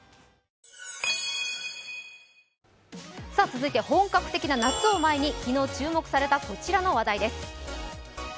続いては本格的な夏を前に昨日注目されたこちらの話題です。